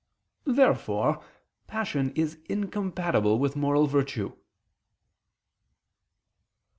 Therefore passion is incompatible with moral virtue.